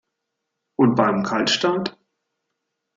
Und bei einem Kaltstart?